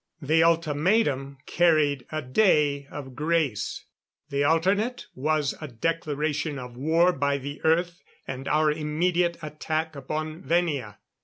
The ultimatum carried a day of grace; the alternate was a declaration of war by the Earth, and our immediate attack upon Venia.